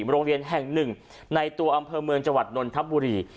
โรงเรียนแห่งหนึ่งในตัวอำเภอเมืองจังหวัดนนทบุรี